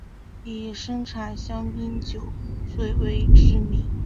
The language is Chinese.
以生产香槟酒最为知名。